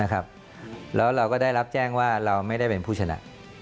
แล้วเราก็ได้รับแจ้งว่าเราไม่ได้เป็นผู้ชนะ